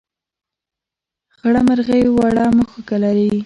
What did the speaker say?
خړه مرغۍ وړه مښوکه لري.